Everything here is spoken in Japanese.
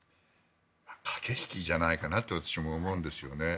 駆け引きじゃないかなと私も思うんですよね。